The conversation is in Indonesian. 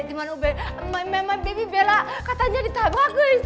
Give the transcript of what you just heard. dimana ugd my baby bella katanya di tabaget